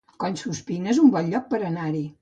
Collsuspina es un bon lloc per anar-hi